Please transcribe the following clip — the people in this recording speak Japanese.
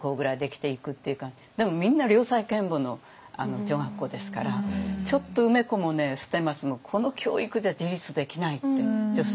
でもみんな良妻賢母の女学校ですからちょっと梅子も捨松もこの教育じゃ自立できないって女性が。